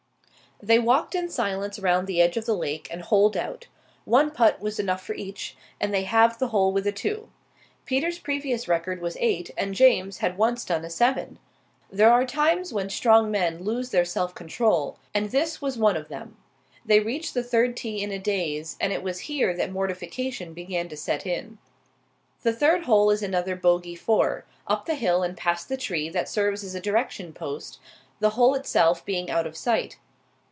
They walked in silence round the edge of the lake, and holed out. One putt was enough for each, and they halved the hole with a two. Peter's previous record was eight, and James had once done a seven. There are times when strong men lose their self control, and this was one of them. They reached the third tee in a daze, and it was here that mortification began to set in. The third hole is another bogey four, up the hill and past the tree that serves as a direction post, the hole itself being out of sight.